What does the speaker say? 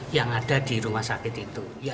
yang ada di rumah sakit itu